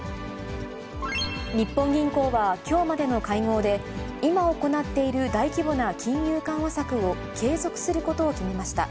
日本銀行はきょうまでの会合で、今行っている大規模な金融緩和策を継続することを決めました。